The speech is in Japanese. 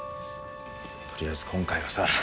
とりあえず今回はさ